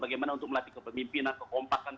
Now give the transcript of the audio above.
bagaimana untuk melatih kepemimpinan kekompakan